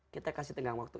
kita kasih tenggang waktu